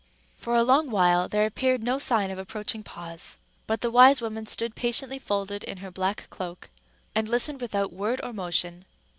For a long while there appeared no sign of approaching pause. But the wise woman stood patiently folded in her black cloak, and listened without word or motion.